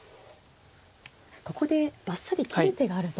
ここでバッサリ切る手があると。